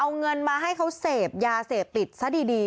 เอาเงินมาให้เขาเสพยาเสพติดซะดี